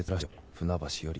船橋より